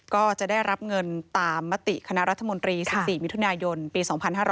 ก็จะได้รับเงินตามมติคณะรัฐมนตรี๑๔มิถุนายนปี๒๕๕๙